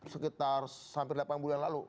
sekitar hampir delapan bulan lalu